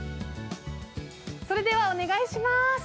それではお願いします。